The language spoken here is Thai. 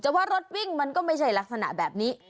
แต่ว่ารถวิ่งมันก็ไม่ใช่ลักษณะแบบนี้